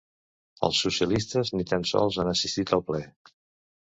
Els socialistes ni tan sols han assistit al ple.